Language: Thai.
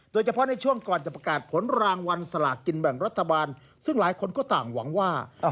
โดยเฉพาะในช่วงก่อนจะประกาศผลรางวัลสลากกินแบ่งรัฐบาลซึ่งหลายคนก็ต่างหวังว่า